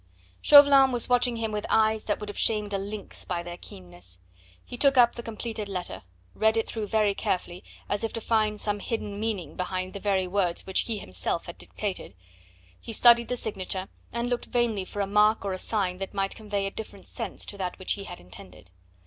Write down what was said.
Chauvelin was watching him with eyes that would have shamed a lynx by their keenness. He took up the completed letter, read it through very carefully, as if to find some hidden meaning behind the very words which he himself had dictated; he studied the signature, and looked vainly for a mark or a sign that might convey a different sense to that which he had intended.